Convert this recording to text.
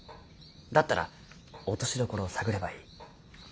だったら落としどころを探ればいい。